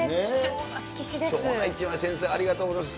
貴重な一枚、先生、ありがとうございます。